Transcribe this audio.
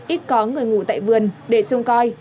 ít có người ngủ tại vườn để trông coi